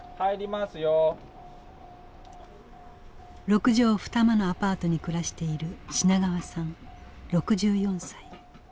六畳二間のアパートに暮らしている品川さん６４歳。